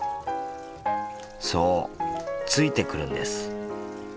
そうついてくるんです。